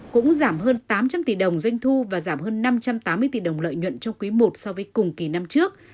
cũng giảm hơn tám trăm linh tỷ đồng doanh thu và giảm hơn năm trăm tám mươi tỷ đồng lợi nhuận trong quý i so với cùng kỳ năm trước